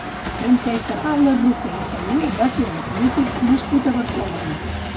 Francesc de Paula Roqué i Feliu va ser un polític nascut a Barcelona.